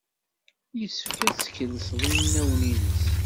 Yessefk ad tkelsed inaw-nnes.